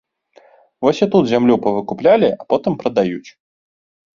Вось і тут зямлю павыкуплялі, а потым прадаюць.